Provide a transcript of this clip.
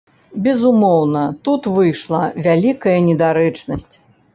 Безумоўна, тут выйшла вялікая недарэчнасць.